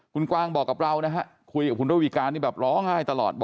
คุณกวางบอกกับเรานะฮะคุยกับคุณระวีการนี่แบบร้องไห้ตลอด